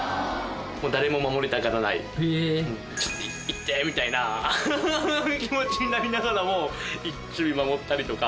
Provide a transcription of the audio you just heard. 「行って」みたいな気持ちになりながらも守備守ったりとか。